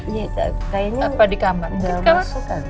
iya kayaknya udah masuk kan